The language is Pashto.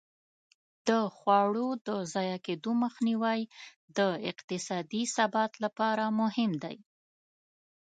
د خواړو د ضایع کېدو مخنیوی د اقتصادي ثبات لپاره مهم دی.